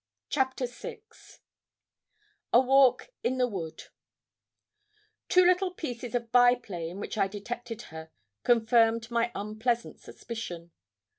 CHAPTER VI A WALK IN THE WOOD Two little pieces of by play in which I detected her confirmed my unpleasant suspicion.